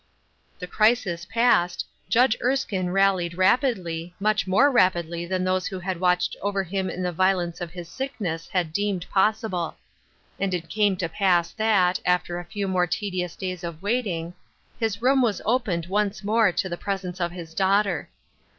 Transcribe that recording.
The crisis passed. Judge Erskine rallied rap idly, much more rapidly than those who had watched over him in the violence of his sickness had deemed possible. And it came to pass that, after a few more tedious days of waiting, his room was opened once more to the presence of his daughter.